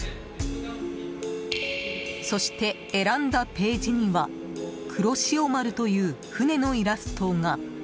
そして選んだページには「くろしお丸」という船のイラストが。